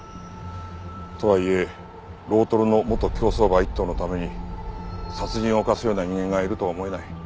とはいえロートルの元競走馬１頭のために殺人を犯すような人間がいるとは思えない。